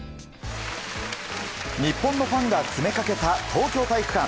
日本のファンが詰めかけた東京体育館。